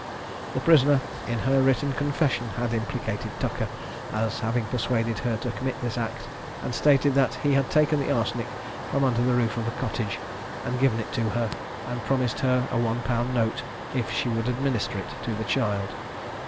The prisoner, in her written confession, had implicated Tucker, as having persuaded her to commit this act, and stated that he had taken the arsenic from under the roof of a cottage, and given it to her, and promised her a one pound note if she would administer it to the child.